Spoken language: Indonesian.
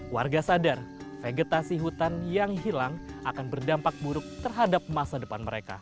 warga sadar vegetasi hutan yang hilang akan berdampak buruk terhadap masa depan mereka